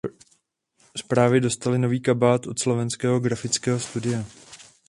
Zprávy dostaly nový kabát od slovenského grafického studia.